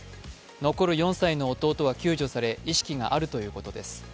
残る４歳の弟は救助され意識があるということです。